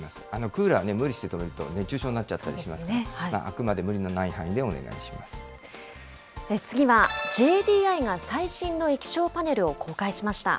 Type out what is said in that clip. クーラー、無理して止めると、熱中症になっちゃったりしますから、あくまで次はＪＤＩが最新の液晶パネルを公開しました。